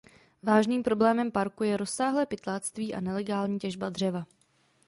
Vážným problémem parku je rozsáhlé pytláctví a nelegální těžba dřeva.